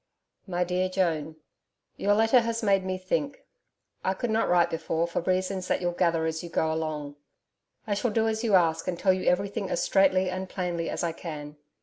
MY DEAR JOAN, Your letter has made me think. I could not write before for reasons that you'll gather as you go along. I shall do as you ask and tell you everything as straightly and plainly as I can.